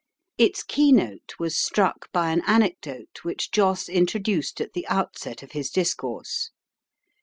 Its key note was struck by an anecdote which Joss introduced at the outset of his discourse.